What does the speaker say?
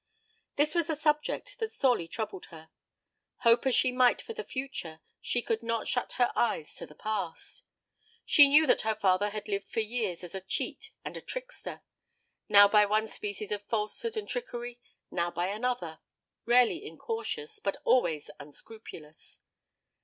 This was a subject that sorely troubled her. Hope as she might for the future, she could not shut her eyes to the past. She knew that her father had lived for years as a cheat and a trickster now by one species of falsehood and trickery, now by another rarely incautious, but always unscrupulous.